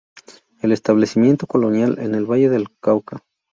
El Establecimiento Colonial en el Valle del Cauca.